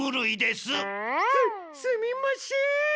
すすみません！